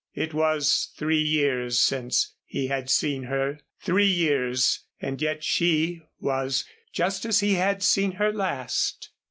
It was three years since he had seen her three years, and yet she was just as he had seen her last.